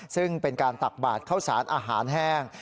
ซึ่งเป็นการตักบาดเข้าสารอาหารแห้ง